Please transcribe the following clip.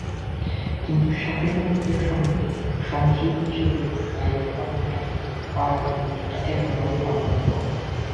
কিন্তু শাফিন আহমেদের সঙ্গে সহশিল্পী হিসেবে গাইতে পারার আনন্দটা একেবারেই অন্য রকম।